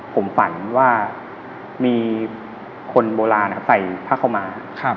ผมฝันว่ามีคนโบราณใส่ผ้าเข้ามา